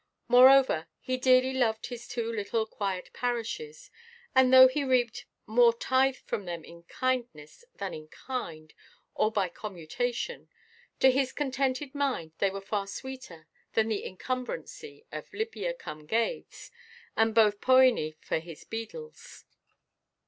Moreover, he dearly loved his two little quiet parishes; and, though he reaped more tithe from them in kindness than in kind or by commutation, to his contented mind they were far sweeter than the incumbency of Libya–cum–Gades, and both Pœni for his beadles.